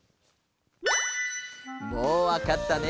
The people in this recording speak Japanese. もうわかったね？